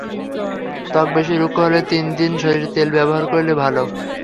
ত্বক বেশি রুক্ষ হলে তিন দিন শরীরে তেল ব্যবহার করলে ভালো।